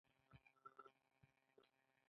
د ملا درد د دوام لپاره باید څه وکړم؟